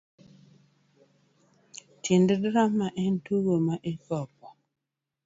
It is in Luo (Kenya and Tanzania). Tiend drama en tugo ma ikopo.